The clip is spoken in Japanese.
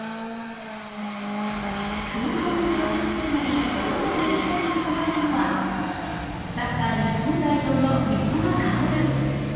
空港に到着するなり大勢の記者に囲まれたのはサッカー日本代表の三笘薫。